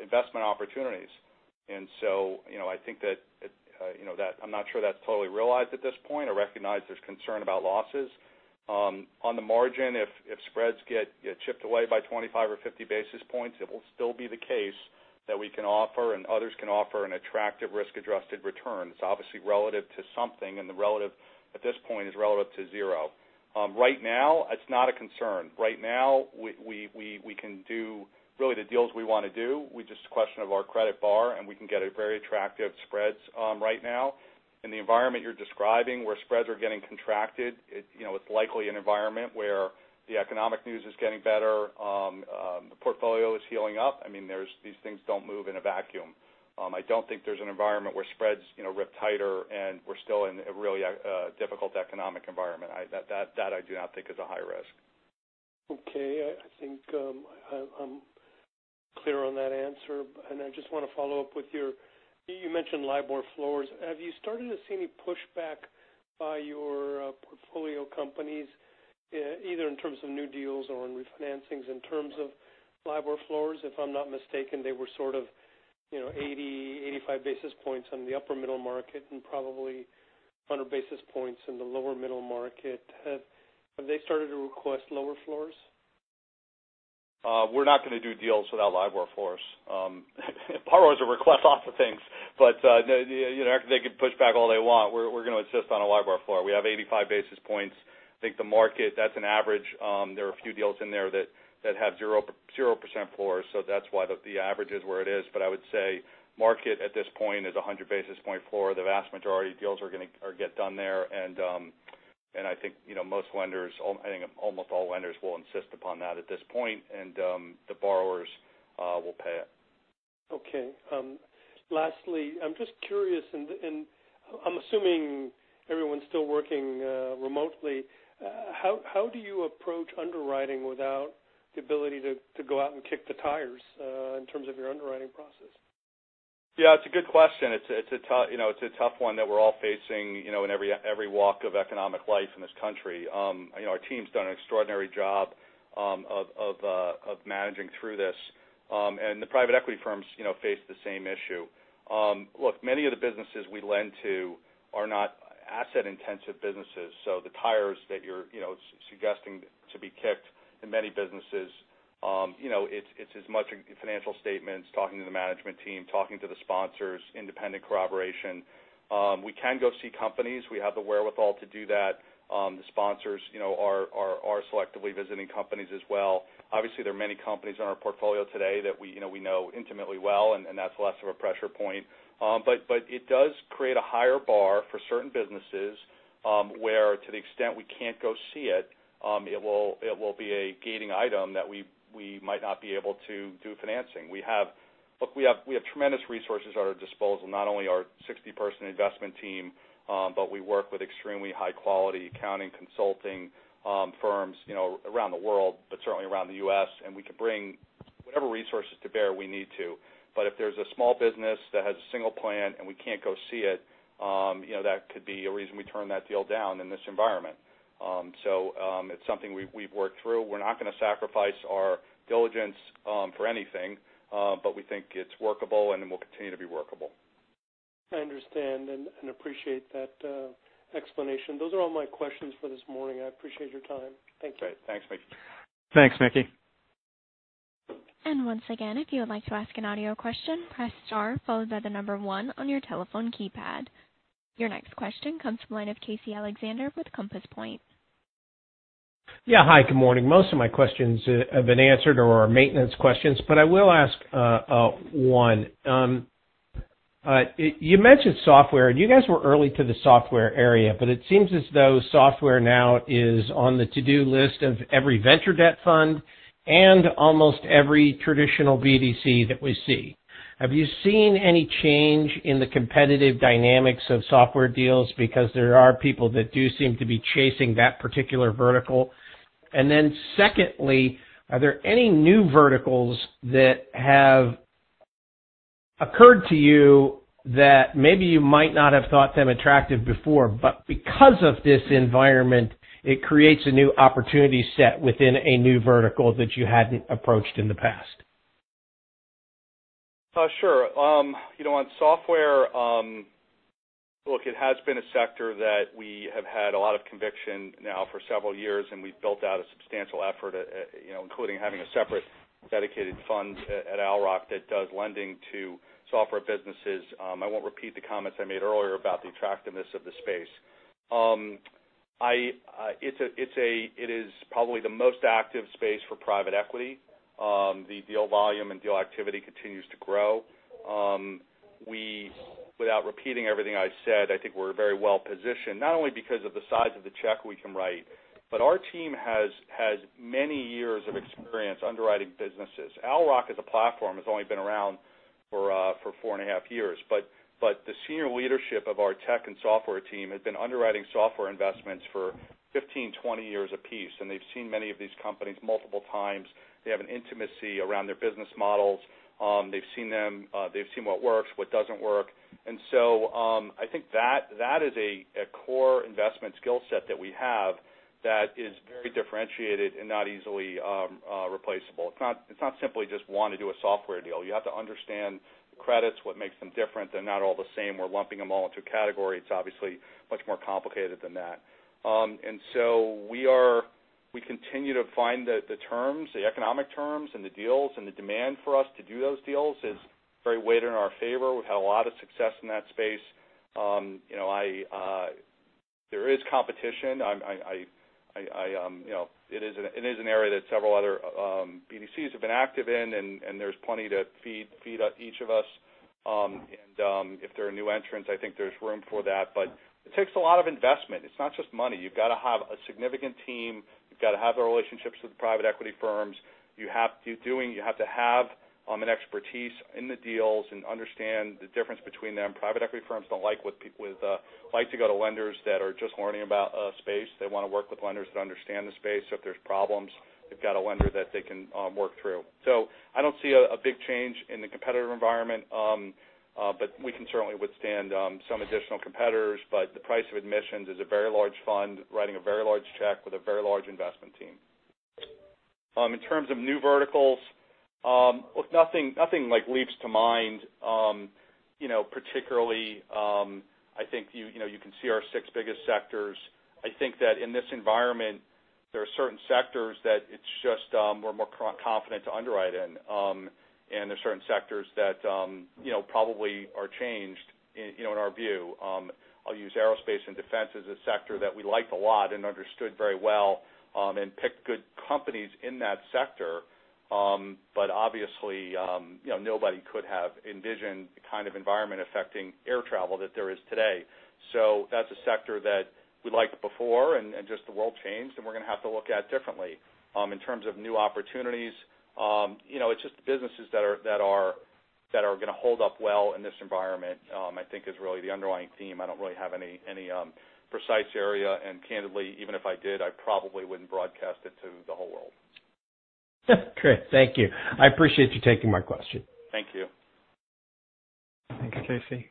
investment opportunities. And so I think that I'm not sure that's totally realized at this point or recognized; there's concern about losses. On the margin, if spreads get chipped away by 25 or 50 basis points, it will still be the case that we can offer and others can offer an attractive risk-adjusted return. It's obviously relative to something, and at this point, it's relative to zero. Right now, it's not a concern. Right now, we can do really the deals we want to do. We're just a question of our credit bar, and we can get a very attractive spreads right now. In the environment you're describing where spreads are getting contracted, it's likely an environment where the economic news is getting better, the portfolio is healing up. I mean, these things don't move in a vacuum. I don't think there's an environment where spreads rip tighter, and we're still in a really difficult economic environment. That I do not think is a high risk. Okay. I think I'm clear on that answer, and I just want to follow up with, you mentioned LIBOR floors. Have you started to see any pushback by your portfolio companies, either in terms of new deals or in refinancings? In terms of LIBOR floors, if I'm not mistaken, they were sort of 80, 85 basis points on the upper-middle market and probably 100 basis points in the lower-middle market. Have they started to request lower floors? We're not going to do deals without LIBOR floors. Borrowers will request lots of things, but they could push back all they want. We're going to insist on a LIBOR floor. We have 85 basis points. I think the market, that's an average. There are a few deals in there that have 0% floors, so that's why the average is where it is. But I would say market, at this point, is 100 basis point floor. The vast majority of deals are going to get done there, and I think most lenders I think almost all lenders will insist upon that at this point, and the borrowers will pay it. Okay. Lastly, I'm just curious, and I'm assuming everyone's still working remotely. How do you approach underwriting without the ability to go out and kick the tires in terms of your underwriting process? Yeah. It's a good question. It's a tough one that we're all facing in every walk of economic life in this country. Our team's done an extraordinary job of managing through this, and the private equity firms face the same issue. Look, many of the businesses we lend to are not asset-intensive businesses, so the tires that you're suggesting to be kicked in many businesses, it's as much financial statements, talking to the management team, talking to the sponsors, independent corroboration. We can go see companies. We have the wherewithal to do that. The sponsors are selectively visiting companies as well. Obviously, there are many companies on our portfolio today that we know intimately well, and that's less of a pressure point. But it does create a higher bar for certain businesses where, to the extent we can't go see it, it will be a gating item that we might not be able to do financing. Look, we have tremendous resources at our disposal, not only our 60-person investment team, but we work with extremely high-quality accounting consulting firms around the world, but certainly around the U.S., and we can bring whatever resources to bear we need to. But if there's a small business that has a single plant and we can't go see it, that could be a reason we turn that deal down in this environment. It's something we've worked through. We're not going to sacrifice our diligence for anything, but we think it's workable, and it will continue to be workable. I understand and appreciate that explanation. Those are all my questions for this morning. I appreciate your time. Thank you. Great. Thanks, Mickey. Thanks, Mickey. Once again, if you would like to ask an audio question, press star followed by the number one on your telephone keypad. Your next question comes from the line of Casey Alexander with Compass Point. Yeah. Hi. Good morning. Most of my questions have been answered or are maintenance questions, but I will ask one. You mentioned software, and you guys were early to the software area, but it seems as though software now is on the to-do list of every venture debt fund and almost every traditional BDC that we see. Have you seen any change in the competitive dynamics of software deals because there are people that do seem to be chasing that particular vertical? And then secondly, are there any new verticals that have occurred to you that maybe you might not have thought them attractive before, but because of this environment, it creates a new opportunity set within a new vertical that you hadn't approached in the past? Sure. On software, look, it has been a sector that we have had a lot of conviction now for several years, and we've built out a substantial effort, including having a separate dedicated fund at Owl Rock that does lending to software businesses. I won't repeat the comments I made earlier about the attractiveness of the space. It is probably the most active space for private equity. The deal volume and deal activity continues to grow. Without repeating everything I said, I think we're very well positioned, not only because of the size of the check we can write, but our team has many years of experience underwriting businesses. Owl Rock as a platform has only been around for 4.5 years, but the senior leadership of our tech and software team has been underwriting software investments for 15, 20 years apiece, and they've seen many of these companies multiple times. They have an intimacy around their business models. They've seen what works, what doesn't work. And so I think that is a core investment skill set that we have that is very differentiated and not easily replaceable. It's not simply just want to do a software deal. You have to understand the credits, what makes them different. They're not all the same. We're lumping them all into a category. It's obviously much more complicated than that. And so we continue to find the terms, the economic terms, and the deals, and the demand for us to do those deals is very weighted in our favor. We've had a lot of success in that space. There is competition. It is an area that several other BDCs have been active in, and there's plenty to feed each of us. And if there are new entrants, I think there's room for that, but it takes a lot of investment. It's not just money. You've got to have a significant team. You've got to have the relationships with the private equity firms. You have to have an expertise in the deals and understand the difference between them. Private equity firms don't like to go to lenders that are just learning about a space. They want to work with lenders that understand the space. So if there's problems, they've got a lender that they can work through. So I don't see a big change in the competitive environment, but we can certainly withstand some additional competitors. But the price of admissions is a very large fund writing a very large check with a very large investment team. In terms of new verticals, look, nothing leaps to mind particularly. I think you can see our six biggest sectors. I think that in this environment, there are certain sectors that we're more confident to underwrite in, and there are certain sectors that probably are changed in our view. I'll use aerospace and defense as a sector that we liked a lot and understood very well and picked good companies in that sector, but obviously, nobody could have envisioned the kind of environment affecting air travel that there is today. So that's a sector that we liked before, and just the world changed, and we're going to have to look at differently in terms of new opportunities. It's just the businesses that are going to hold up well in this environment, I think, is really the underlying theme. I don't really have any precise area, and candidly, even if I did, I probably wouldn't broadcast it to the whole world. Great. Thank you. I appreciate you taking my question. Thank you. Thanks, Casey.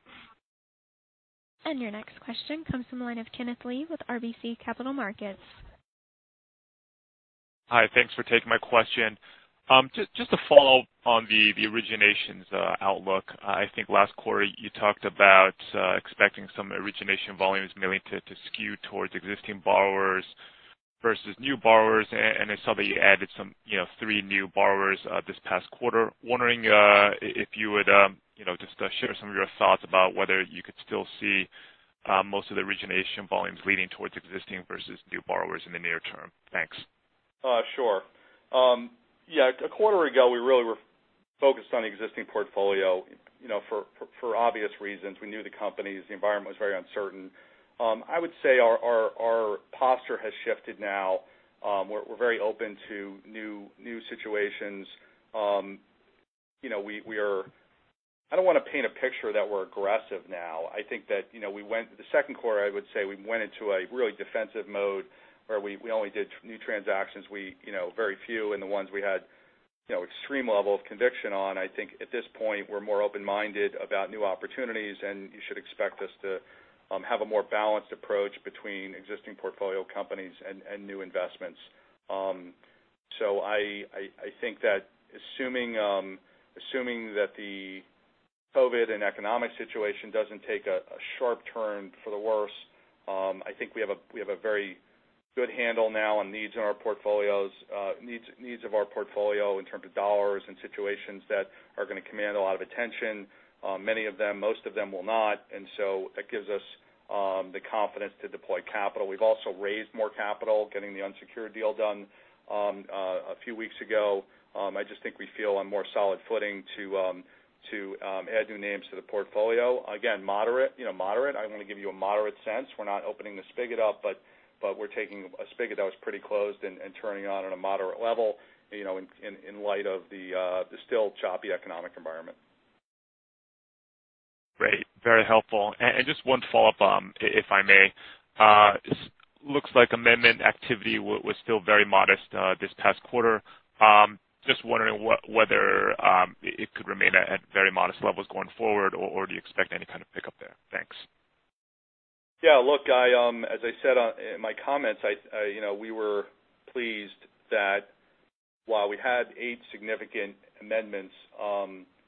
And your next question comes from the line of Kenneth Lee with RBC Capital Markets. Hi. Thanks for taking my question. Just to follow up on the originations outlook, I think last quarter, you talked about expecting some origination volumes mainly to skew towards existing borrowers versus new borrowers, and I saw that you added 3 new borrowers this past quarter. Wondering if you would just share some of your thoughts about whether you could still see most of the origination volumes leading towards existing versus new borrowers in the near term. Thanks. Sure. Yeah. A quarter ago, we really were focused on the existing portfolio for obvious reasons. We knew the companies. The environment was very uncertain. I would say our posture has shifted now. We're very open to new situations. I don't want to paint a picture that we're aggressive now. I think that we went the second quarter, I would say, we went into a really defensive mode where we only did new transactions, very few, and the ones we had extreme level of conviction on. I think at this point, we're more open-minded about new opportunities, and you should expect us to have a more balanced approach between existing portfolio companies and new investments. So I think that assuming that the COVID and economic situation doesn't take a sharp turn for the worse, I think we have a very good handle now on needs of our portfolio in terms of dollars and situations that are going to command a lot of attention. Many of them, most of them will not, and so that gives us the confidence to deploy capital. We've also raised more capital, getting the unsecured deal done a few weeks ago. I just think we feel on more solid footing to add new names to the portfolio. Again, moderate. I want to give you a moderate sense. We're not opening the spigot up, but we're taking a spigot that was pretty closed and turning it on at a moderate level in light of the still choppy economic environment. Great. Very helpful. And just one follow-up, if I may. It looks like amendment activity was still very modest this past quarter. Just wondering whether it could remain at very modest levels going forward, or do you expect any kind of pickup there? Thanks. Yeah. Look, as I said in my comments, we were pleased that while we had 8 significant amendments,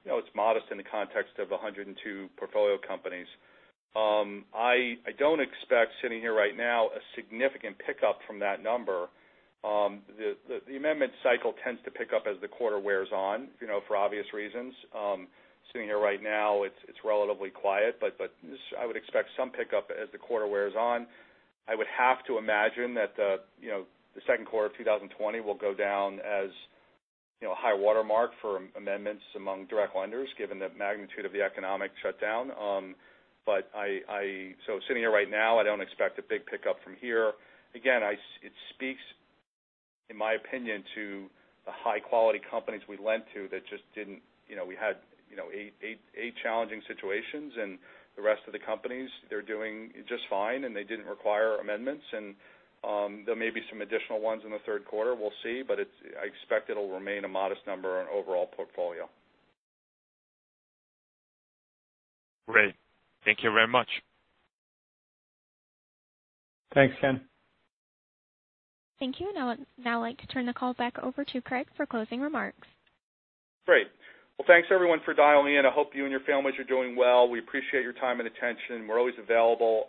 it's modest in the context of 102 portfolio companies. I don't expect, sitting here right now, a significant pickup from that number. The amendment cycle tends to pick up as the quarter wears on for obvious reasons. Sitting here right now, it's relatively quiet, but I would expect some pickup as the quarter wears on. I would have to imagine that the second quarter of 2020 will go down as a high watermark for amendments among direct lenders given the magnitude of the economic shutdown. So sitting here right now, I don't expect a big pickup from here. Again, it speaks, in my opinion, to the high-quality companies we lent to that just didn't. We had eight challenging situations, and the rest of the companies, they're doing just fine, and they didn't require amendments. There may be some additional ones in the third quarter. We'll see, but I expect it'll remain a modest number on overall portfolio. Great. Thank you very much. Thanks, Ken. Thank you. I would now like to turn the call back over to Craig for closing remarks. Great. Well, thanks, everyone, for dialing in. I hope you and your families are doing well. We appreciate your time and attention. We're always available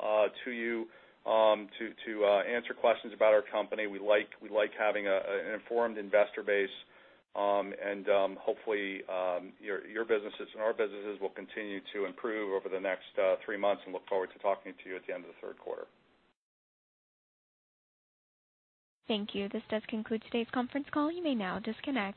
to you to answer questions about our company. We like having an informed investor base, and hopefully, your businesses and our businesses will continue to improve over the next three months, and look forward to talking to you at the end of the third quarter. Thank you. This does conclude today's conference call. You may now disconnect.